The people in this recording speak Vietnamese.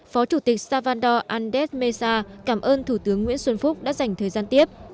phó chủ tịch sabando vandes mesa cảm ơn thủ tướng nguyễn xuân phúc đã dành thời gian tiếp